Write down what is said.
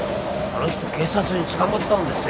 あの人警察に捕まったんですよ。